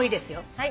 はい。